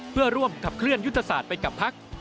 เพื่อร่วมขับเคลื่อนยุทธศาสตร์ไปกับพัก